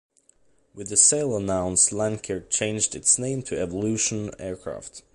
With the sale announced Lancair changed its name to Evolution Aircraft.